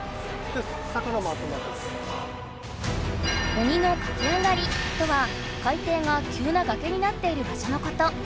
「鬼の駆け上がり」とは海底がきゅうながけになっている場所のこと。